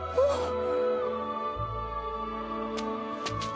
ああ。